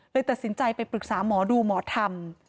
เลยตัดสินใจไปปรึกษาหมอดูหมอธรรม